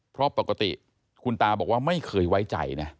เพราะปกติคุณตาบอกว่าไม่เคยไว้ใจนะ